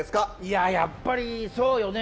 やっぱり、そうよね。